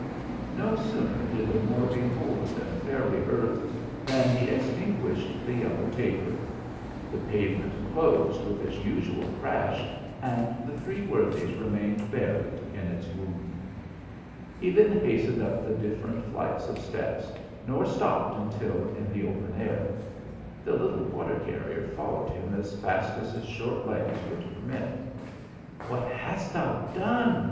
No sooner did the Moor behold them fairly earthed than he extinguished the yellow taper: the pave ment closed with its usual crash, and the three worthies remained buried in its womb. He then hastened up the different flights of steps, nor stopped until in the open air. The little water carrier followed him as fast as his short legs would permit. "What hast thou done?